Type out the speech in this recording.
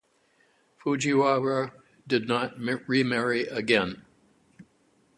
Fujiwara did not remarry again.